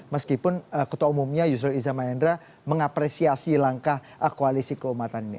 meskipun kota umumnya yusroel iza maendra mengapresiasi langkah koalisi keumatan ini